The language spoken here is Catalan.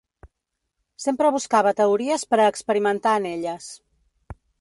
Sempre buscava teories per a experimentar en elles.